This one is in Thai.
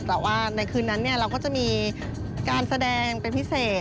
แต่ว่าในคืนนั้นเราก็จะมีการแสดงเป็นพิเศษ